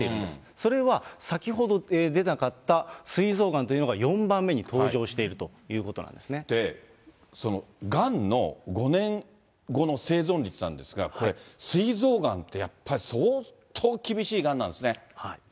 それは先ほど出なかったすい臓がんというのが４番目に登場していそのがんの５年後の生存率なんですが、これ、すい臓がんってやっぱり相当厳しいがんなんです